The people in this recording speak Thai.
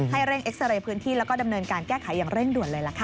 เร่งเอ็กซาเรย์พื้นที่แล้วก็ดำเนินการแก้ไขอย่างเร่งด่วนเลยล่ะค่ะ